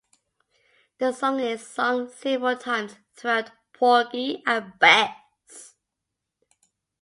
The song is sung several times throughout "Porgy and Bess".